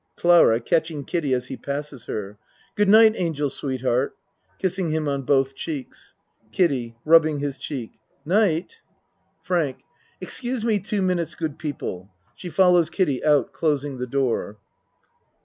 CLARA (Catching Kiddie as he passes her.) Good night, angel sweetheart. (Kissing him on both cheeks.) KIDDIE (Rubbing his cheek). Night. FRANK Excuse me two minutes, good people. (She follows Kiddie out closing the door.)